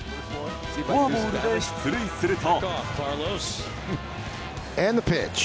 フォアボールで出塁すると。